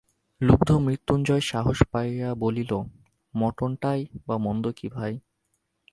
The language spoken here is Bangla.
লুব্ধ মৃত্যুঞ্জয় সাহস পাইয়া বলিল, মটনটাই বা মন্দ কী ভাই!